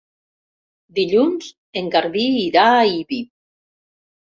Dilluns en Garbí irà a Ibi.